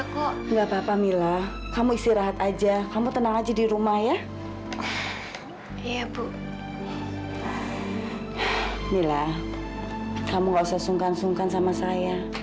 camilla keluar dari kerjaannya